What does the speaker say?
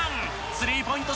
スリーポイント